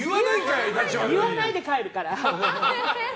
言わないで帰るから。